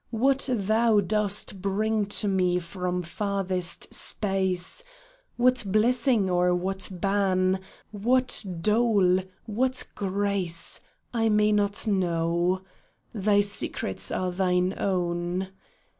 What thou dost bring to me from farthest space, What blessing or what ban, what dole, what grace, I may not know. Thy secrets are thine own